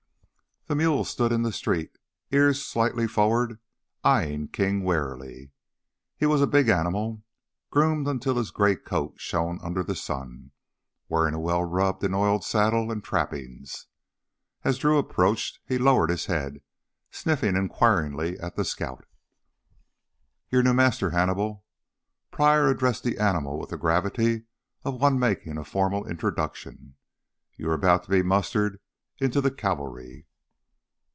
The mule stood in the street, ears slightly forward, eyeing King warily. He was a big animal, groomed until his gray coat shone under the sun, wearing a well rubbed and oiled saddle and trappings. As Drew approached he lowered his head, sniffing inquiringly at the scout. "Your new master, Hannibal," Pryor addressed the animal with the gravity of one making a formal introduction. "You are about to be mustered into the cavalry."